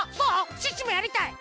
シュッシュもやりたい！